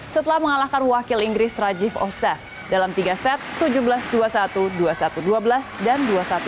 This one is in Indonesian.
setelah mengalahkan wakil inggris rajiv osef dalam tiga set tujuh belas dua puluh satu dua puluh satu dua belas dan dua puluh satu dua belas